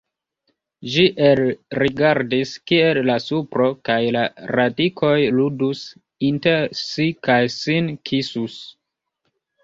Ĝi elrigardis, kiel la supro kaj la radikoj ludus inter si kaj sin kisus.